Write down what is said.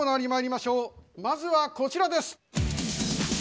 まずはこちらです！